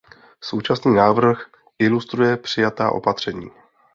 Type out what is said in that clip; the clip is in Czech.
Současný návrh ilustruje přijatá opatření.